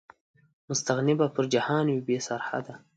مستغني به پر جهان وي، بې سرحده